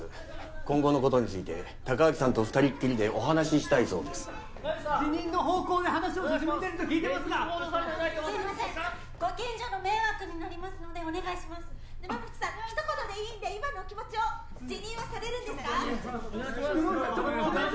今後のことについて隆明さんと２人きりでお話ししたいそうです辞任の方向で話を進めてると聞いてますがすいませんご近所の迷惑になりますのでお願いしますひと言でいいんで今のお気持ちを辞任はされますか？